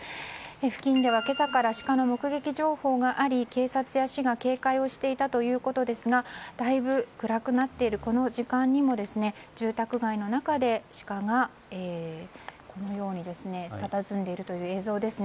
付近では今朝からシカの目撃情報があり警察や市が警戒をしていたということですがだいぶ暗くなっているこの時間にも、住宅街の中でシカがたたずんでいるという映像ですね。